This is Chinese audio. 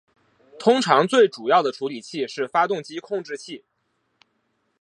通常最主要的处理器是发动机控制器。